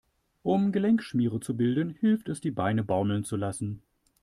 Um Gelenkschmiere zu bilden, hilft es, die Beine baumeln zu lassen.